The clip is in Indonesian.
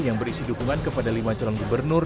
yang berisi dukungan kepada lima calon gubernur